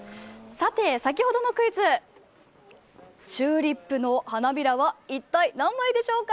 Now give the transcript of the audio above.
さて、先ほどのクイズ、チューリップの花びらは一体何枚でしょうか？